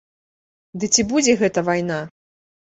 Ды ці будзе гэта вайна?